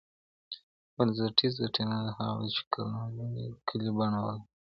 بنسټیزه څېړنه هغه ده چي کلي بڼه ولري.